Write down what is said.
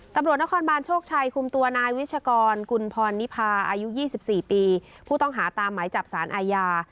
ตำรวจนครบานโชคชัยคุมตัวนายวิชกรกุลพรนิพาอายุ๒๔ปีผู้ต้องหาตามหมายจับสารอาญา